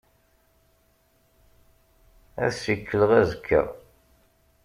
Ad ssikleɣ azekka.